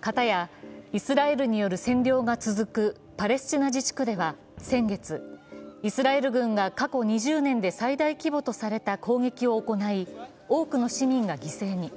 片やイスラエルによる占領が続くパレスチナ自治区では先月、イスラエル軍が過去２０年で最大規模とされた攻撃を行い、大木の市民が犠牲に。